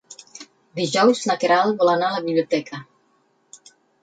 Dijous na Queralt vol anar a la biblioteca.